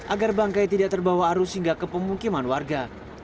agar bangkai tidak terbawa arus hingga ke pemukiman warga